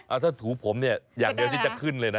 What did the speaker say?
ถ้าถูผมเนี่ยอย่างเดียวที่จะขึ้นเลยนะ